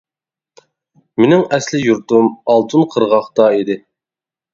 مېنىڭ ئەسلى يۇرتۇم ئالتۇن قىرغاقتا ئىدى.